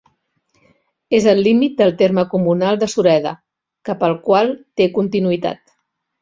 És al límit del terme comunal de Sureda, cap al qual té continuïtat.